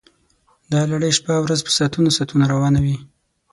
دا لړۍ شپه ورځ په ساعتونو ساعتونو روانه وي